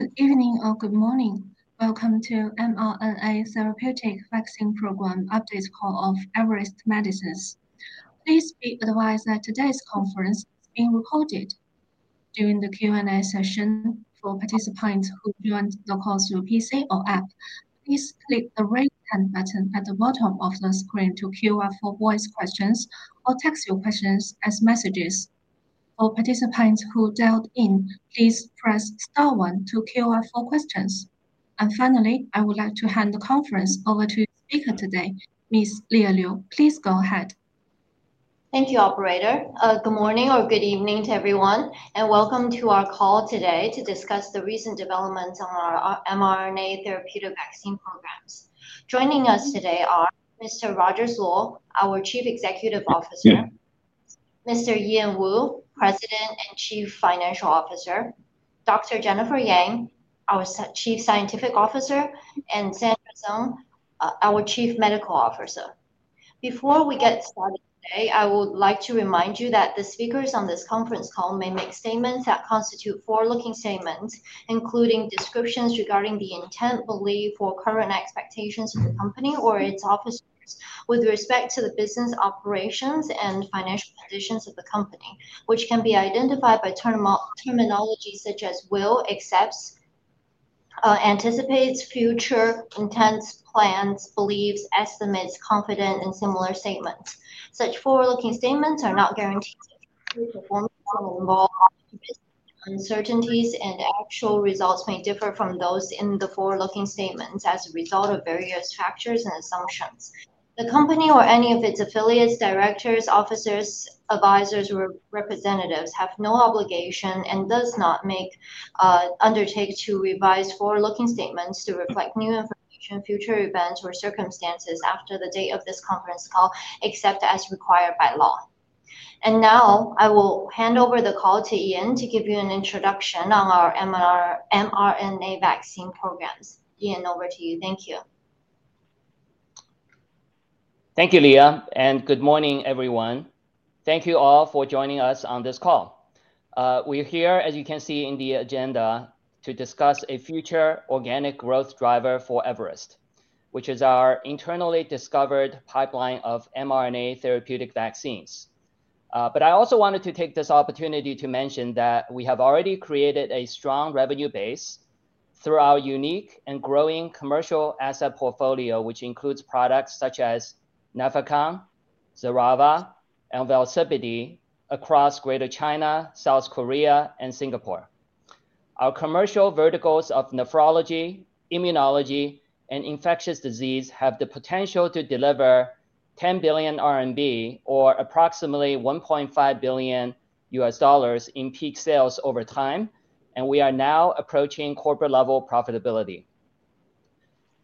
Good evening or good morning. Welcome to mRNA Therapeutic Vaccine Program updates call of Everest Medicines. Please be advised that today's conference is being recorded. During the Q&A session, for participants who joined the call through PC or app, please click the red button at the bottom of the screen to queue for voice questions or text your questions as messages. For participants who dialed in, please press star one to queue for questions. And finally, I would like to hand the conference over to the speaker today, Ms. Leah Liu. Please go ahead. Thank you, Operator. Good morning or good evening to everyone, and welcome to our call today to discuss the recent developments on our mRNA therapeutic vaccine programs. Joining us today are Mr. Rogers Luo, our Chief Executive Officer; Mr. Ian Woo, President and Chief Financial Officer; Dr. Jennifer Yang, our Chief Scientific Officer; and Sunny Zhu, our Chief Medical Officer. Before we get started today, I would like to remind you that the speakers on this conference call may make statements that constitute forward-looking statements, including descriptions regarding the intent, belief, or current expectations of the company or its officers with respect to the business operations and financial positions of the company, which can be identified by terminology such as will, expects, anticipates, future, intents, plans, beliefs, estimates, confidence, and similar statements. Such forward-looking statements are not guaranteed to fully perform or involve optimism. Uncertainties and actual results may differ from those in the forward-looking statements as a result of various factors and assumptions. The company or any of its affiliates, directors, officers, advisors, or representatives have no obligation and does not undertake to revise forward-looking statements to reflect new information, future events, or circumstances after the date of this conference call, except as required by law. And now I will hand over the call to Ian to give you an introduction on our mRNA vaccine programs. Ian, over to you. Thank you. Thank you, Leah, and good morning, everyone. Thank you all for joining us on this call. We're here, as you can see in the agenda, to discuss a future organic growth driver for Everest, which is our internally discovered pipeline of mRNA therapeutic vaccines. But I also wanted to take this opportunity to mention that we have already created a strong revenue base through our unique and growing commercial asset portfolio, which includes products such as Nefecon, Xerava, and Velsipity across Greater China, South Korea, and Singapore. Our commercial verticals of nephrology, immunology, and infectious disease have the potential to deliver 10 billion RMB, or approximately $1.5 billion, in peak sales over time, and we are now approaching corporate-level profitability.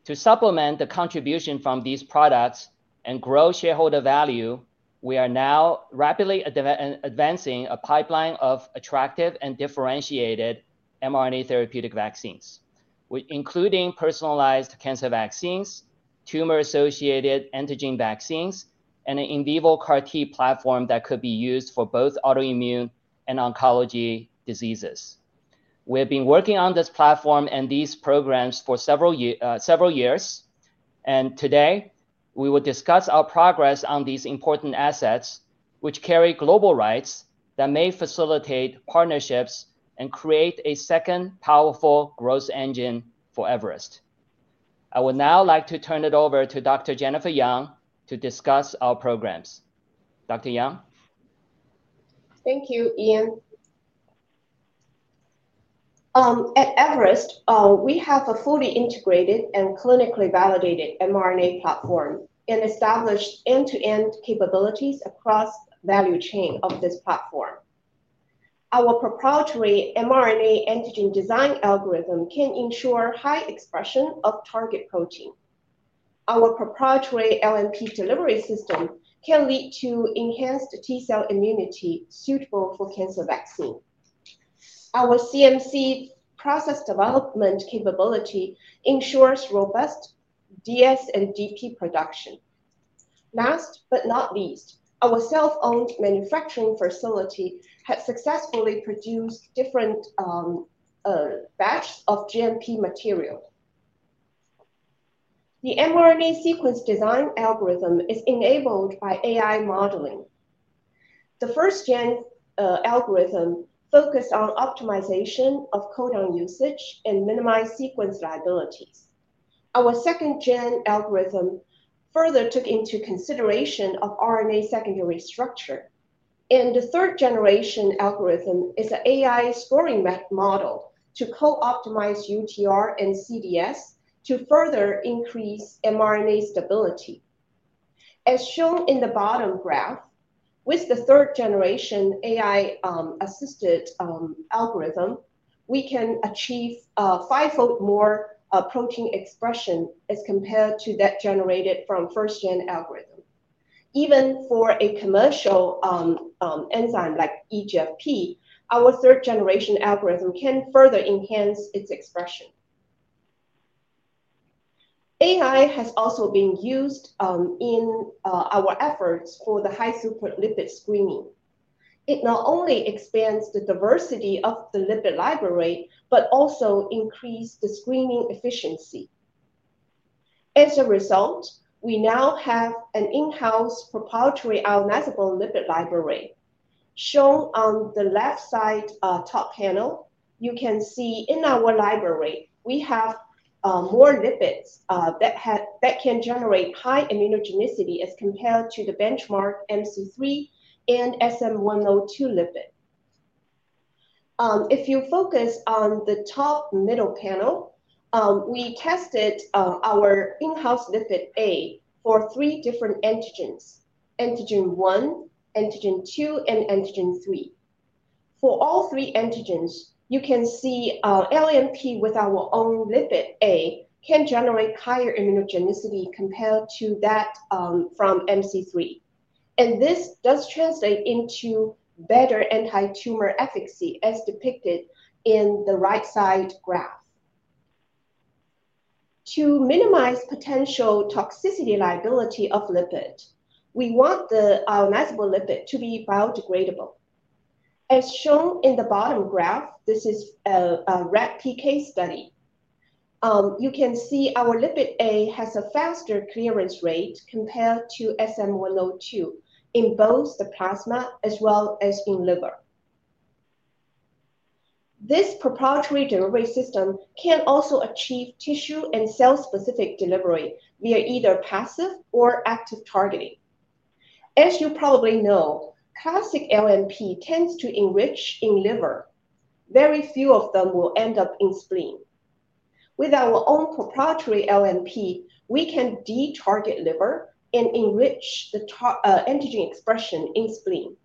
To supplement the contribution from these products and grow shareholder value, we are now rapidly advancing a pipeline of attractive and differentiated mRNA therapeutic vaccines, including personalized cancer vaccines, tumor-associated antigen vaccines, and an in vivo CAR-T platform that could be used for both autoimmune and oncology diseases. We have been working on this platform and these programs for several years, and today we will discuss our progress on these important assets, which carry global rights that may facilitate partnerships and create a second powerful growth engine for Everest. I would now like to turn it over to Dr. Jennifer Yang to discuss our programs. Dr. Yang? Thank you, Ian. At Everest, we have a fully integrated and clinically validated mRNA platform and established end-to-end capabilities across the value chain of this platform. Our proprietary mRNA antigen design algorithm can ensure high expression of target protein. Our proprietary LNP delivery system can lead to enhanced T-cell immunity suitable for cancer vaccine. Our CMC process development capability ensures robust DS and DP production. Last but not least, our self-owned manufacturing facility has successfully produced different batches of GMP material. The mRNA sequence design algorithm is enabled by AI modeling. The first-gen algorithm focused on optimization of codon usage and minimized sequence liabilities. Our second-gen algorithm further took into consideration RNA secondary structure. And the third-generation algorithm is an AI scoring model to co-optimize UTR and CDS to further increase mRNA stability. As shown in the bottom graph, with the third-generation AI-assisted algorithm, we can achieve five-fold more protein expression as compared to that generated from the first-gen algorithm. Even for a commercial enzyme like EGFP, our third-generation algorithm can further enhance its expression. AI has also been used in our efforts for the high throughput lipid screening. It not only expands the diversity of the lipid library, but also increases the screening efficiency. As a result, we now have an in-house proprietary ionizable lipid library. Shown on the left side top panel, you can see in our library we have more lipids that can generate high immunogenicity as compared to the benchmark MC3 and SM-102 lipid. If you focus on the top middle panel, we tested our in-house Lipid A for three different antigens: antigen one, antigen two, and antigen three. For all three antigens, you can see LNP with our own Lipid A can generate higher immunogenicity compared to that from MC3. And this does translate into better anti-tumor efficacy as depicted in the right side graph. To minimize potential toxicity liability of lipid, we want the ionizable lipid to be biodegradable. As shown in the bottom graph, this is a rat PK study. You can see our Lipid A has a faster clearance rate compared to SM-102 in both the plasma as well as in liver. This proprietary delivery system can also achieve tissue and cell-specific delivery via either passive or active targeting. As you probably know, classic LNP tends to enrich in liver. Very few of them will end up in spleen. With our own proprietary LNP, we can detarget liver and enrich the antigen expression in spleen.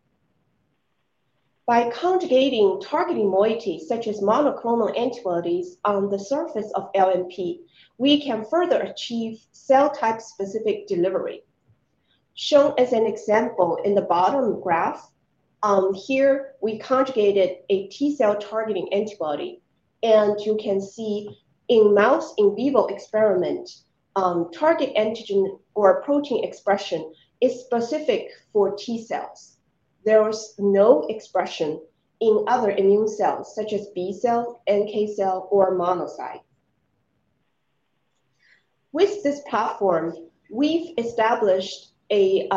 By conjugating targeting moieties such as monoclonal antibodies on the surface of LNP, we can further achieve cell-type specific delivery. Shown as an example in the bottom graph, here we conjugated a T-cell targeting antibody, and you can see in mouse in vivo experiment, target antigen or protein expression is specific for T-cells. There is no expression in other immune cells such as B cell, NK cell, or monocyte. With this platform, we've established a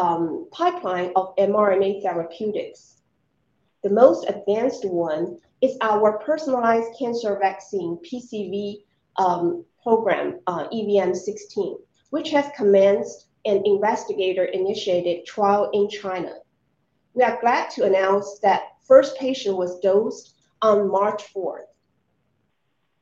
pipeline of mRNA therapeutics. The most advanced one is our personalized cancer vaccine PCV program, EVM16, which has commenced an investigator-initiated trial in China. We are glad to announce that the first patient was dosed on March 4th.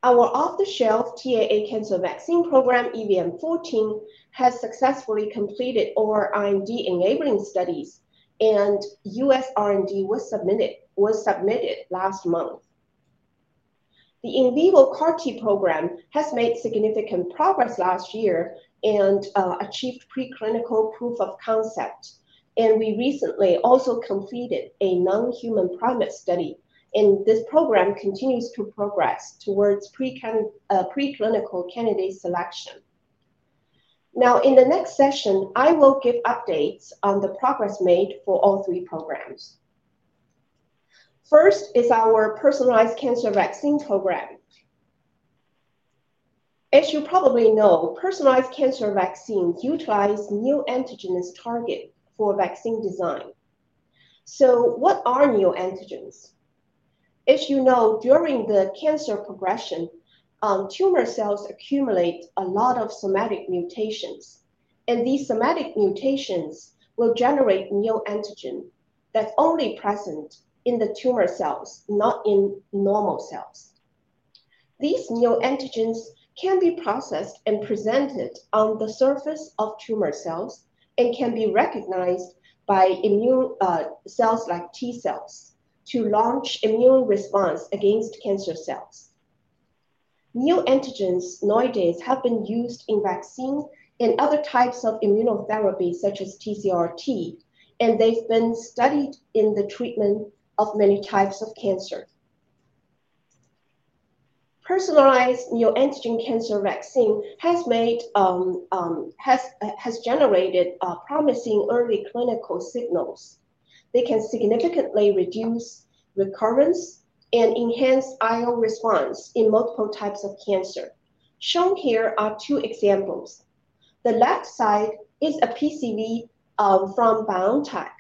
Our off-the-shelf TAA cancer vaccine program, EVM14, has successfully completed our IND-enabling studies, and US IND was submitted last month. The in vivo CAR-T program has made significant progress last year and achieved preclinical proof of concept. And we recently also completed a non-human primate study, and this program continues to progress towards preclinical candidate selection. Now, in the next session, I will give updates on the progress made for all three programs. First is our personalized cancer vaccine program. As you probably know, personalized cancer vaccines utilize new antigens targeted for vaccine design. So what are new antigens? As you know, during the cancer progression, tumor cells accumulate a lot of somatic mutations, and these somatic mutations will generate new antigen that's only present in the tumor cells, not in normal cells. These new antigens can be processed and presented on the surface of tumor cells and can be recognized by immune cells like T-cells to launch immune response against cancer cells. Neoantigens nowadays have been used in vaccines and other types of immunotherapy such as TCR-T, and they've been studied in the treatment of many types of cancer. Personalized neoantigen cancer vaccine has generated promising early clinical signals. They can significantly reduce recurrence and enhance immune response in multiple types of cancer. Shown here are two examples. The left side is a PCV from BioNTech.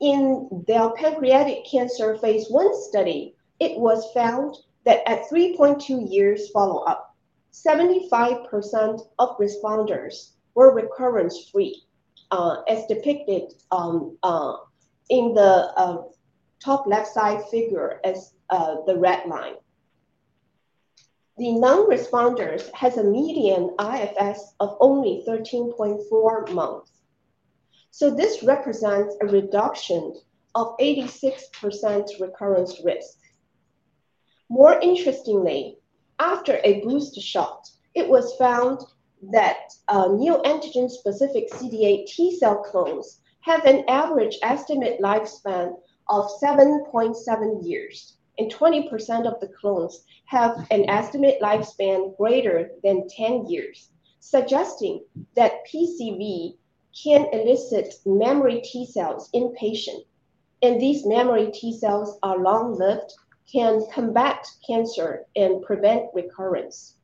In their pancreatic cancer Phase 1 study, it was found that at 3.2 years follow-up, 75% of responders were recurrence-free, as depicted in the top left side figure as the red line. The non-responders had a median PFS of only 13.4 months. So this represents a reduction of 86% recurrence risk. More interestingly, after a booster shot, it was found that neoantigen-specific CD8 T-cell clones have an average estimate lifespan of 7.7 years, and 20% of the clones have an estimate lifespan greater than 10 years, suggesting that PCV can elicit memory T-cells in patients, and these memory T-cells are long-lived, can combat cancer, and prevent recurrence.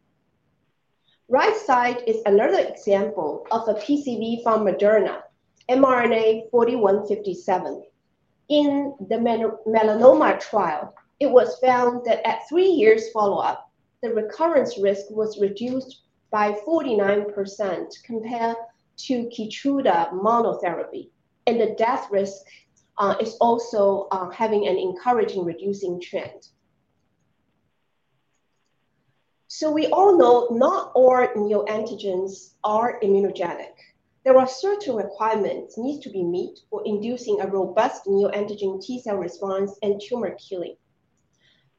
Right side is another example of a PCV from Moderna, mRNA-4157. In the melanoma trial, it was found that at three years follow-up, the recurrence risk was reduced by 49% compared to Keytruda monotherapy, and the death risk is also having an encouraging reducing trend, so we all know not all neoantigens are immunogenic, there are certain requirements that need to be met for inducing a robust neoantigen T-cell response and tumor killing.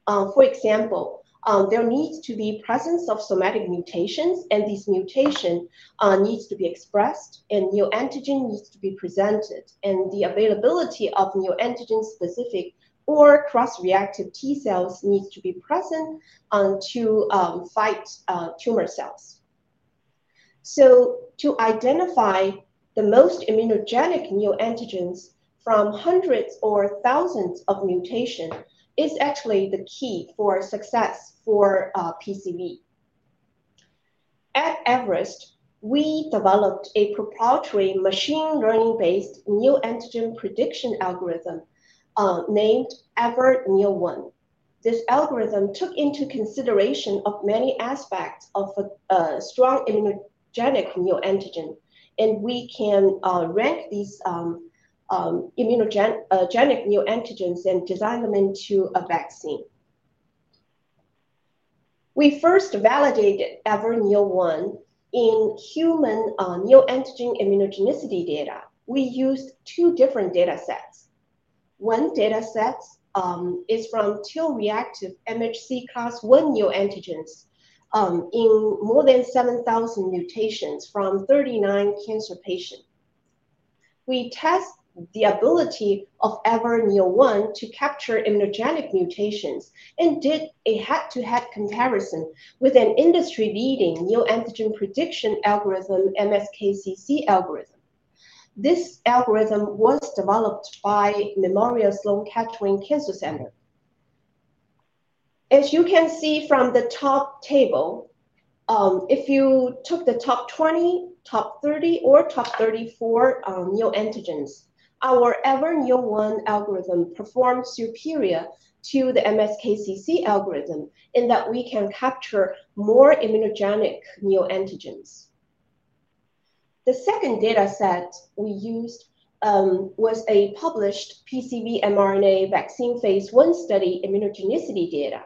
For example, there needs to be presence of somatic mutations, and these mutations need to be expressed, and neoantigen needs to be presented, and the availability of neoantigen-specific or cross-reactive T-cells needs to be present to fight tumor cells. So to identify the most immunogenic neoantigens from hundreds or thousands of mutations is actually the key for success for PCV. At Everest, we developed a proprietary machine learning-based neoantigen prediction algorithm named EverNeo-1. This algorithm took into consideration many aspects of a strong immunogenic neoantigen, and we can rank these immunogenic neoantigens and design them into a vaccine. We first validated EverNeo-1 in human neoantigen immunogenicity data. We used two different data sets. One data set is from TIL reactive MHC Class I neoantigens in more than 7,000 mutations from 39 cancer patients. We tested the ability of EverNeo-1 to capture immunogenic mutations and did a head-to-head comparison with an industry-leading neoantigen prediction algorithm, MSKCC algorithm. This algorithm was developed by Memorial Sloan Kettering Cancer Center. As you can see from the top table, if you took the top 20, top 30, or top 34 neoantigens, our EverNeo-1 algorithm performed superior to the MSKCC algorithm in that we can capture more immunogenic neoantigens. The second data set we used was a published PCV mRNA vaccine phase I study immunogenicity data.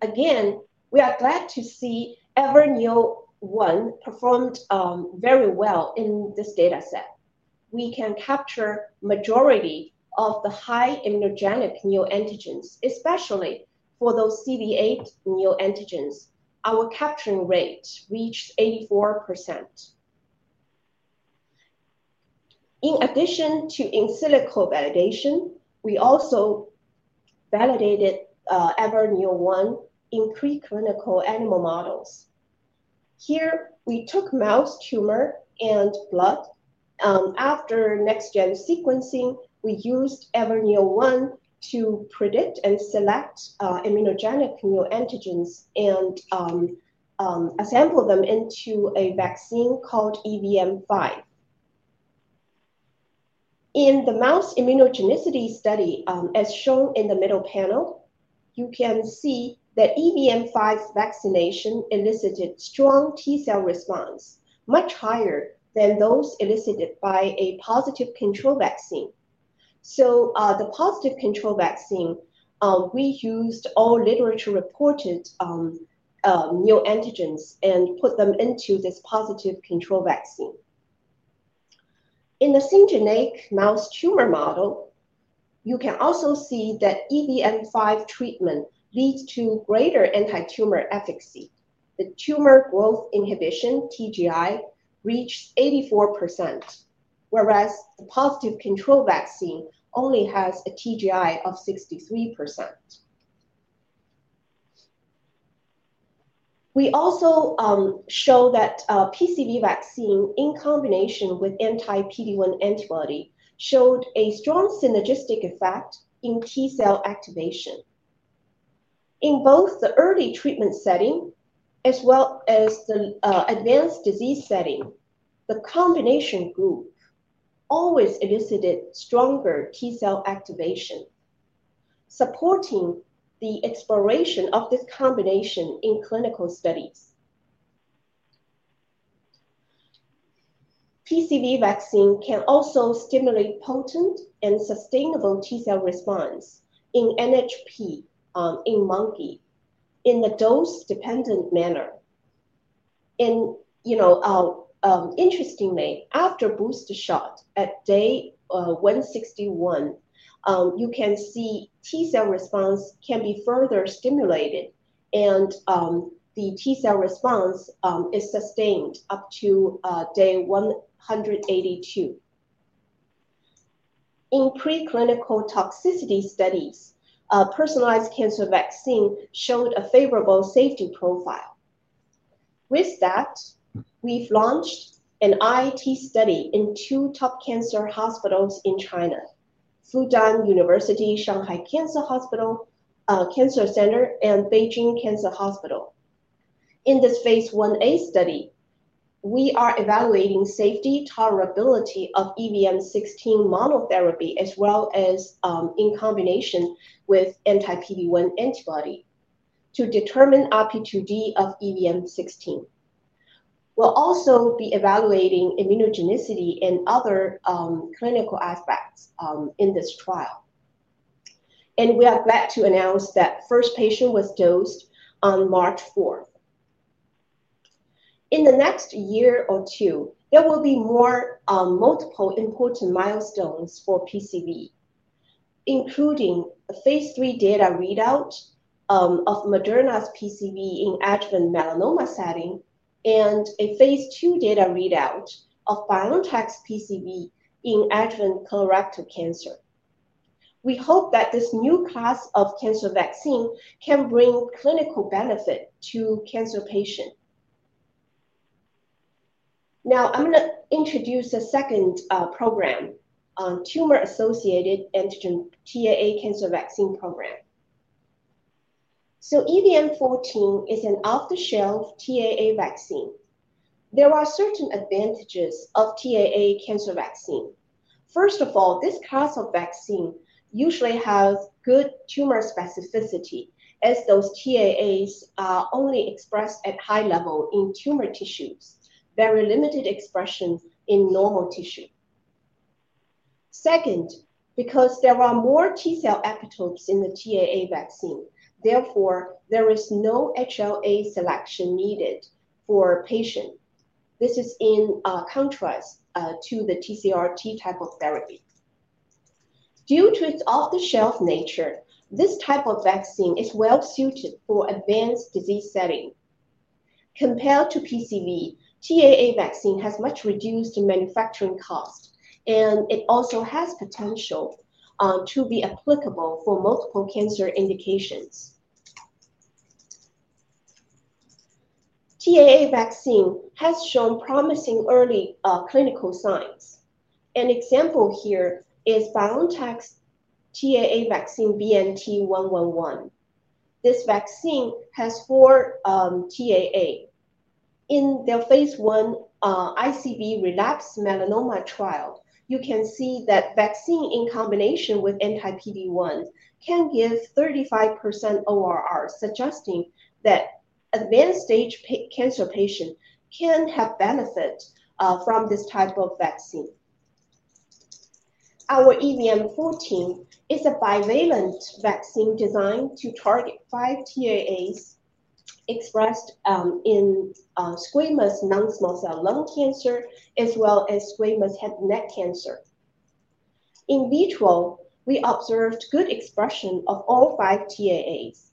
Again, we are glad to see EverNeo-1 performed very well in this data set. We can capture the majority of the high immunogenic neoantigens, especially for those CD8 neoantigens. Our capturing rate reached 84%. In addition to in silico validation, we also validated EverNeo-1 in preclinical animal models. Here, we took mouse tumor and blood. After next-gen sequencing, we used EverNeo-1 to predict and select immunogenic neoantigens and assemble them into a vaccine called EVM5. In the mouse immunogenicity study, as shown in the middle panel, you can see that EVM5 vaccination elicited strong T-cell response, much higher than those elicited by a positive control vaccine. So the positive control vaccine, we used all literature-reported neoantigens and put them into this positive control vaccine. In the syngeneic mouse tumor model, you can also see that EVM5 treatment leads to greater anti-tumor efficacy. The tumor growth inhibition, TGI, reached 84%, whereas the positive control vaccine only has a TGI of 63%. We also show that PCV vaccine in combination with anti-PD-1 antibody showed a strong synergistic effect in T-cell activation. In both the early treatment setting as well as the advanced disease setting, the combination group always elicited stronger T-cell activation, supporting the exploration of this combination in clinical studies. PCV vaccine can also stimulate potent and sustainable T-cell response in NHP in monkey in a dose-dependent manner. Interestingly, after a booster shot at day 161, you can see T-cell response can be further stimulated, and the T-cell response is sustained up to day 182. In preclinical toxicity studies, a personalized cancer vaccine showed a favorable safety profile. With that, we've launched an IIT study in two top cancer hospitals in China: Fudan University Shanghai Cancer Center and Beijing Cancer Hospital. In this phase I study, we are evaluating safety tolerability of EVM16 monotherapy as well as in combination with anti-PD-1 antibody to determine RP2D of EVM16. We'll also be evaluating immunogenicity and other clinical aspects in this trial. And we are glad to announce that the first patient was dosed on March 4th. In the next year or two, there will be more multiple important milestones for PCV, including a phase III data readout of Moderna's PCV in adjuvant melanoma setting and a phase II data readout of BioNTech's PCV in adjuvant colorectal cancer. We hope that this new class of cancer vaccine can bring clinical benefit to cancer patients. Now, I'm going to introduce the second program, Tumor-Associated Antigen TAA Cancer Vaccine Program. So EVM14 is an off-the-shelf TAA vaccine. There are certain advantages of TAA cancer vaccine. First of all, this class of vaccine usually has good tumor specificity, as those TAAs are only expressed at high level in tumor tissues, very limited expression in normal tissue. Second, because there are more T-cell epitopes in the TAA vaccine, therefore there is no HLA selection needed for patients. This is in contrast to the TCR-T type of therapy. Due to its off-the-shelf nature, this type of vaccine is well-suited for advanced disease setting. Compared to PCV, TAA vaccine has much reduced manufacturing cost, and it also has potential to be applicable for multiple cancer indications. TAA vaccine has shown promising early clinical signs. An example here is BioNTech's TAA vaccine, BNT111. This vaccine has four TAAs. In their phase I in relapsed melanoma trial, you can see that vaccine in combination with anti-PD-1 can give 35% ORR, suggesting that advanced stage cancer patients can have benefit from this type of vaccine. Our EVM14 is a bivalent vaccine designed to target five TAAs expressed in squamous non-small cell lung cancer as well as squamous head and neck cancer. In vitro, we observed good expression of all five TAAs.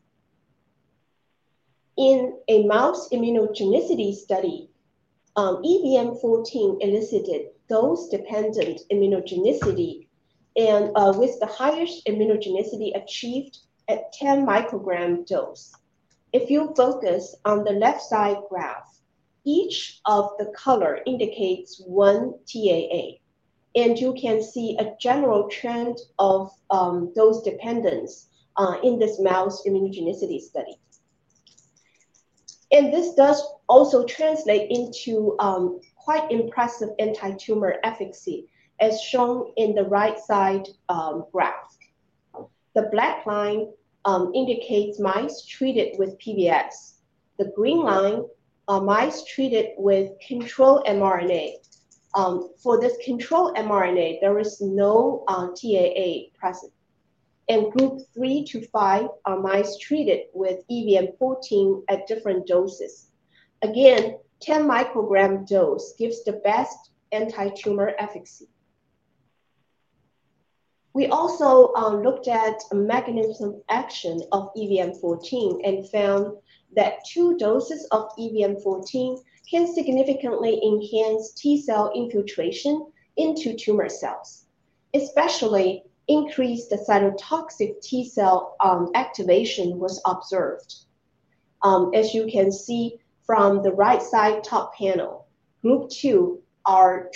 In a mouse immunogenicity study, EVM14 elicited dose-dependent immunogenicity, and with the highest immunogenicity achieved at 10 microgram dose. If you focus on the left side graph, each of the colors indicates one TAA, and you can see a general trend of dose dependence in this mouse immunogenicity study, and this does also translate into quite impressive anti-tumor efficacy, as shown in the right side graph. The black line indicates mice treated with PBS. The green line is mice treated with control mRNA. For this control mRNA, there is no TAA present, and group three to five are mice treated with EVM14 at different doses. Again, 10 microgram dose gives the best anti-tumor efficacy. We also looked at the mechanism of action of EVM14 and found that two doses of EVM14 can significantly enhance T-cell infiltration into tumor cells. Especially, increased cytotoxic T-cell activation was observed. As you can see from the right side top panel, group two are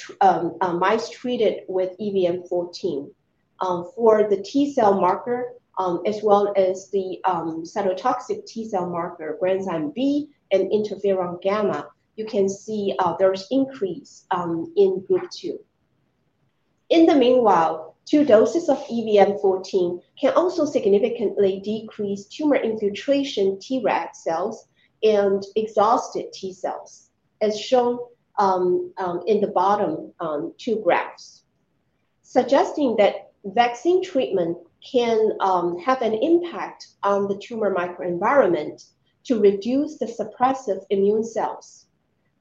mice treated with EVM14. For the T-cell marker, as well as the cytotoxic T-cell marker, granzyme B and Interferon-gamma, you can see there's increase in group two. In the meanwhile, two doses of EVM14 can also significantly decrease tumor infiltration Treg cells and exhausted T-cells, as shown in the bottom two graphs, suggesting that vaccine treatment can have an impact on the tumor microenvironment to reduce the suppressive immune cells,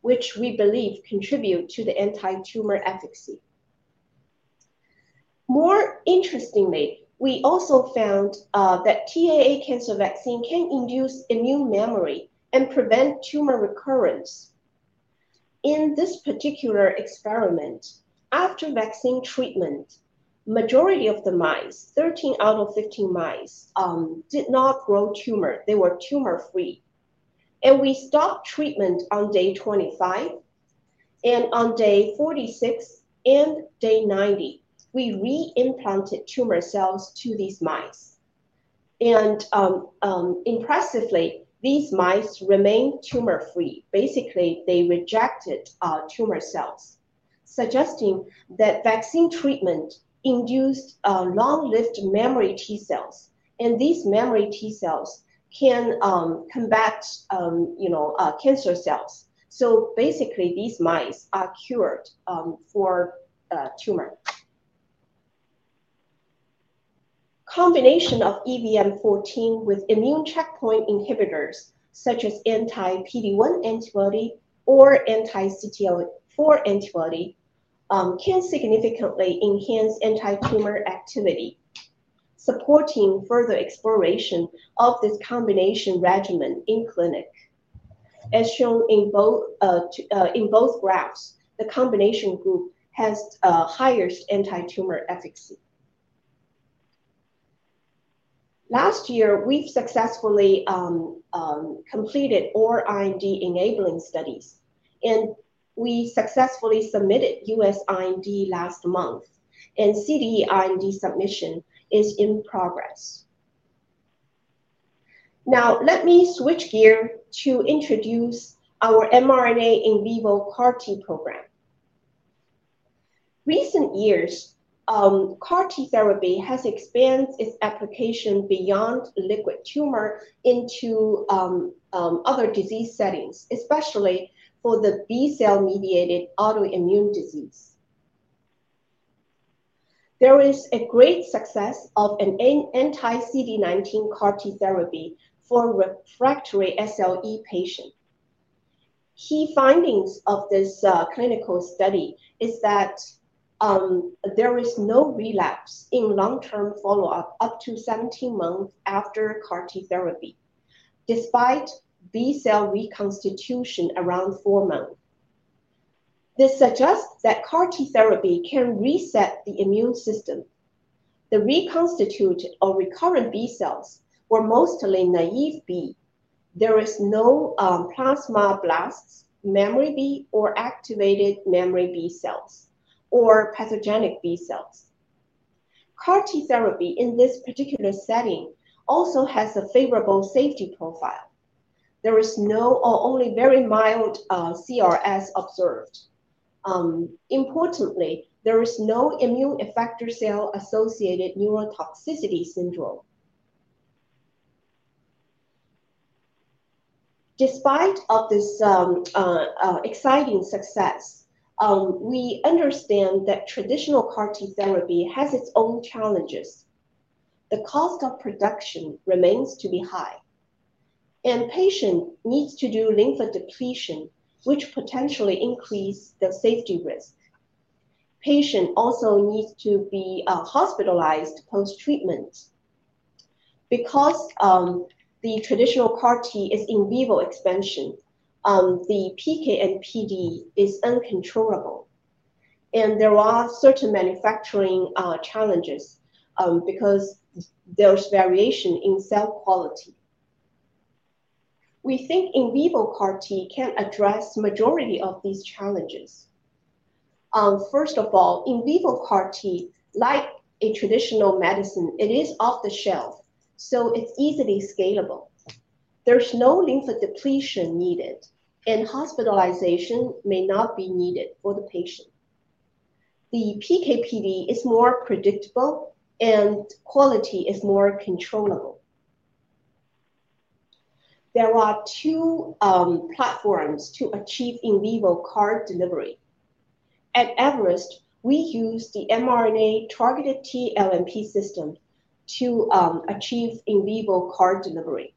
which we believe contribute to the anti-tumor efficacy. More interestingly, we also found that TAA cancer vaccine can induce immune memory and prevent tumor recurrence. In this particular experiment, after vaccine treatment, the majority of the mice, 13 out of 15 mice, did not grow tumor. They were tumor-free. We stopped treatment on day 25, and on day 46, and day 90, we reimplanted tumor cells to these mice. Impressively, these mice remained tumor-free. Basically, they rejected tumor cells, suggesting that vaccine treatment induced long-lived memory T-cells, and these memory T-cells can combat cancer cells. Basically, these mice are cured for tumor. Combination of EVM14 with immune checkpoint inhibitors, such as anti-PD-1 antibody or anti-CTLA-4 antibody, can significantly enhance anti-tumor activity, supporting further exploration of this combination regimen in clinic. As shown in both graphs, the combination group has highest anti-tumor efficacy. Last year, we have successfully completed overall IND enabling studies, and we successfully submitted U.S. IND last month, and CDE IND submission is in progress. Now, let me switch gears to introduce our mRNA in vivo CAR-T program. Recent years, CAR-T therapy has expanded its application beyond liquid tumor into other disease settings, especially for the B-cell-mediated autoimmune disease. There is a great success of an anti-CD19 CAR-T therapy for refractory SLE patients. Key findings of this clinical study are that there is no relapse in long-term follow-up up to 17 months after CAR-T therapy, despite B-cell reconstitution around four months. This suggests that CAR-T therapy can reset the immune system. The reconstituted or recurrent B cells were mostly naive B. There are no plasmablasts, memory B, or activated memory B cells, or pathogenic B cells. CAR-T therapy in this particular setting also has a favorable safety profile. There is no or only very mild CRS observed. Importantly, there is no immune effector cell-associated neurotoxicity syndrome. Despite this exciting success, we understand that traditional CAR-T therapy has its own challenges. The cost of production remains to be high, and patients need to do lymphodepletion, which potentially increases the safety risk. Patients also need to be hospitalized post-treatment. Because the traditional CAR-T is in vivo expansion, the PK and PD is uncontrollable. There are certain manufacturing challenges because there's variation in cell quality. We think in vivo CAR-T can address the majority of these challenges. First of all, in vivo CAR-T, like a traditional medicine, it is off the shelf, so it's easily scalable. There's no lymphodepletion needed, and hospitalization may not be needed for the patient. The PK/PD is more predictable, and quality is more controllable. There are two platforms to achieve in vivo CAR delivery. At Everest, we use the mRNA targeted LNP system to achieve in vivo CAR delivery.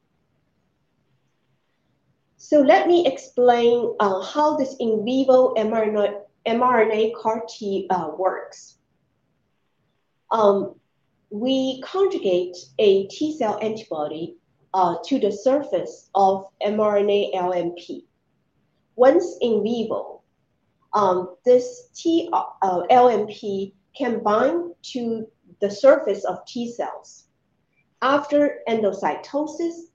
Let me explain how this in vivo mRNA CAR-T works. We conjugate a T-cell antibody to the surface of mRNA LNP. Once in vivo, this LNP can bind to the surface of T-cells. After endocytosis,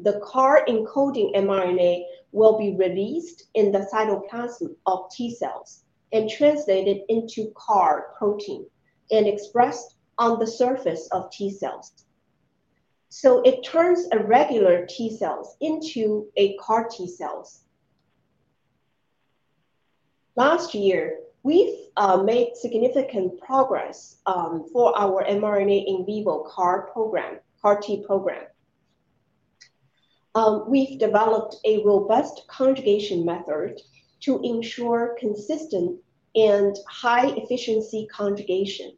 the CAR-encoding mRNA will be released in the cytoplasm of T-cells and translated into CAR protein and expressed on the surface of T-cells. So it turns regular T-cells into CAR-T cells. Last year, we've made significant progress for our mRNA in vivo CAR-T program, CAR-T program. We've developed a robust conjugation method to ensure consistent and high-efficiency conjugation.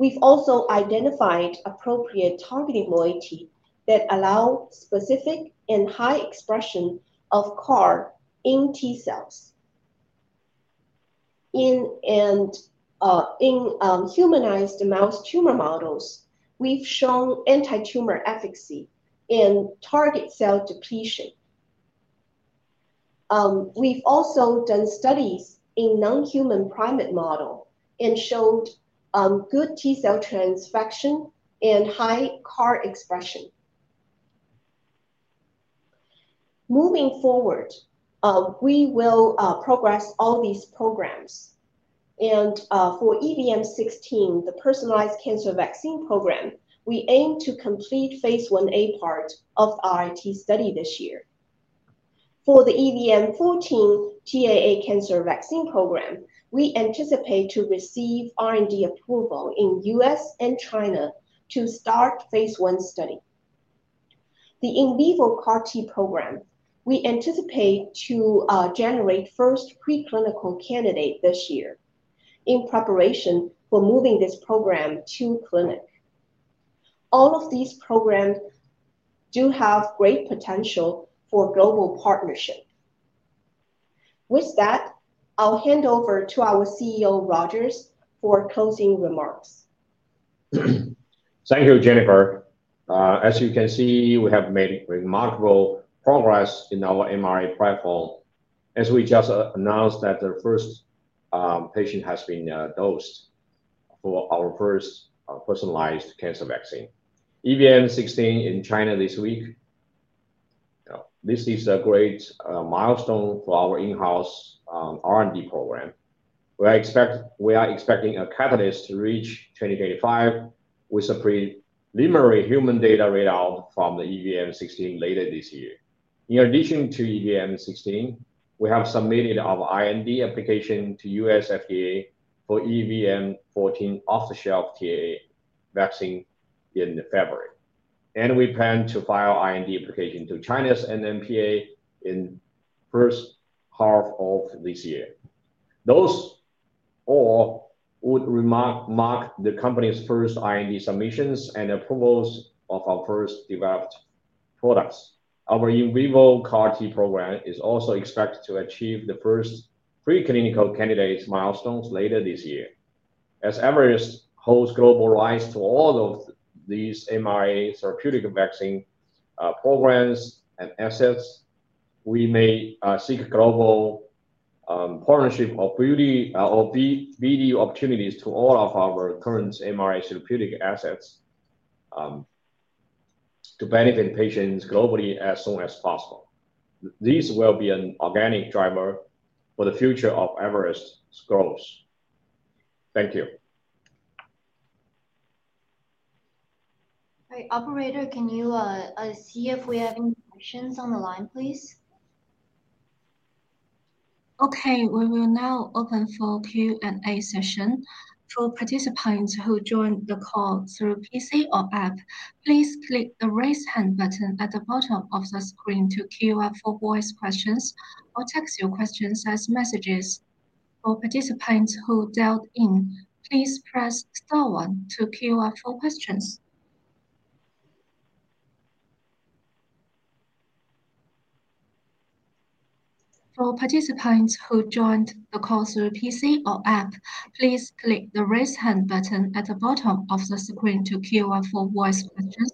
We've also identified appropriate targeting ligand that allows specific and high expression of CAR in T-cells. In humanized mouse tumor models, we've shown anti-tumor efficacy and target T-cell depletion. We've also done studies in non-human primate models and showed good T-cell transfection and high CAR expression. Moving forward, we will progress all these programs. For EVM16, the personalized cancer vaccine program, we aim to complete phase I-A part of our study this year. For the EVM14 TAA cancer vaccine program, we anticipate to receive IND approval in the US and China to start phase I study. The in vivo CAR-T program, we anticipate to generate first preclinical candidates this year in preparation for moving this program to clinic. All of these programs do have great potential for global partnership. With that, I'll hand over to our CEO, Rogers, for closing remarks. Thank you, Jennifer. As you can see, we have made remarkable progress in our mRNA platform as we just announced that the first patient has been dosed for our first personalized cancer vaccine, EVM16, in China this week. This is a great milestone for our in-house R&D program. We are expecting a catalyst to reach 2025 with a preliminary human data readout from the EVM16 later this year. In addition to EVM16, we have submitted our IND application to US FDA for EVM14 off-the-shelf TAA vaccine in February, and we plan to file IND applications to China's NMPA in the first half of this year. Those all would mark the company's first IND submissions and approvals of our first developed products. Our in vivo CAR-T program is also expected to achieve the first preclinical candidate milestones later this year. As Everest holds global rights to all of these mRNA therapeutic vaccine programs and assets, we may seek global partnership or BD opportunities to all of our current mRNA therapeutic assets to benefit patients globally as soon as possible. This will be an organic driver for the future of Everest's growth. Thank you. Hey, operator, can you see if we have any questions on the line, please? Okay. We will now open for Q&A session. For participants who joined the call through PC or app, please click the raise hand button at the bottom of the screen to queue up for voice questions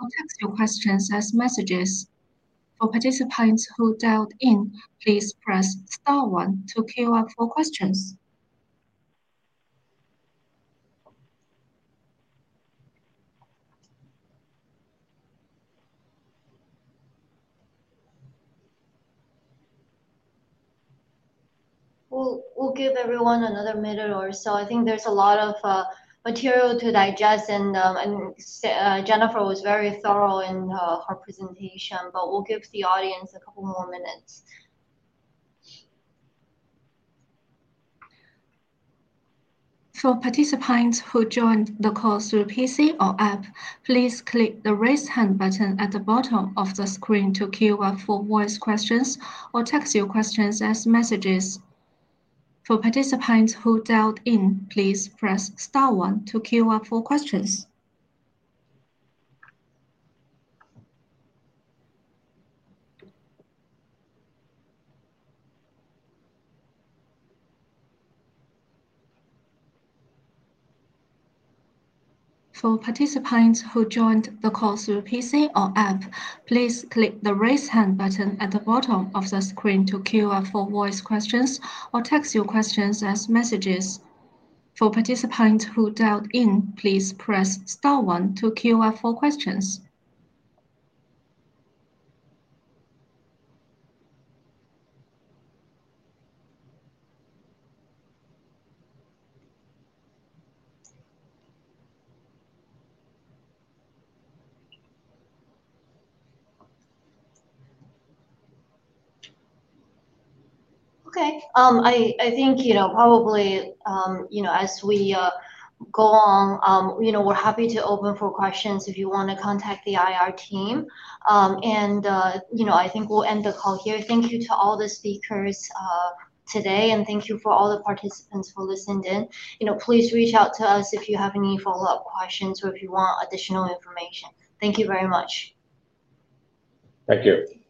or text your questions as messages. For participants who dialed in, please press star one to queue up for questions. We'll give everyone another minute or so. I think there's a lot of material to digest, and Jennifer was very thorough in her presentation, but we'll give the audience a couple more minutes. For participants who joined the call through PC or app, please click the raise hand button at the bottom of the screen to queue up for voice questions or text your questions as messages. For participants who dialed in, please press star one to queue up for questions. Okay. I think probably as we go on, we're happy to open for questions if you want to contact the IR team. And I think we'll end the call here. Thank you to all the speakers today, and thank you for all the participants who listened in. Please reach out to us if you have any follow-up questions or if you want additional information. Thank you very much. Thank you.